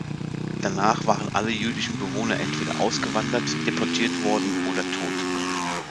Danach waren alle jüdischen Bewohner entweder ausgewandert, deportiert worden oder tot.